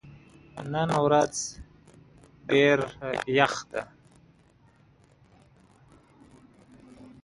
"The Final Cut" received mixed reviews from critics.